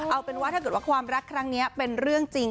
เอาเป็นว่าถ้าเกิดว่าความรักครั้งนี้เป็นเรื่องจริง